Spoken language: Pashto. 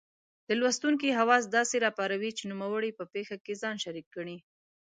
د لوستونکې حواس داسې را پاروي چې نوموړی په پېښه کې ځان شریک ګڼي.